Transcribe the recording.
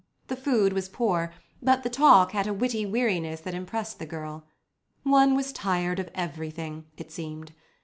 The food was poor, but the talk had a witty weariness that impressed the girl. One was tired of everything, it seemed.